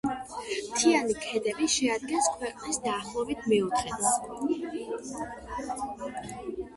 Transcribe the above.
მთიანი ქედები შეადგენს ქვეყნის დაახლოებით მეოთხედს.